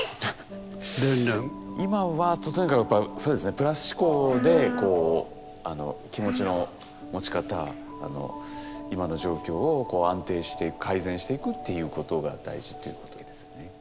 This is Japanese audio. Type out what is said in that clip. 今はとにかくやっぱそうですねプラス思考で気持ちの持ち方今の状況を安定して改善していくっていうことが大事ということですね。